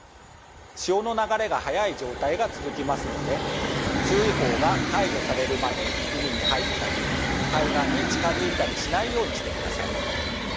潮の流れが速い状態が続きますので注意報が解除されるまで海に入ったり海岸に近づいたりしないようにしてください。